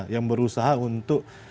yang berusaha untuk